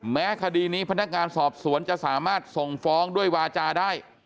แม้คดีนี้พนักงานสอบสวนจะสามารถส่งฟ้องด้วยวาจาได้